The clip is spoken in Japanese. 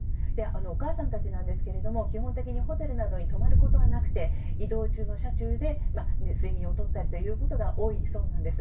お母さんたちですが基本的にホテルなどに泊まることはなくて移動中の車中で睡眠をとることが多いそうなんです。